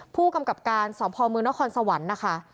ผู้กำกับการสพมนครสวรรค์นะคะ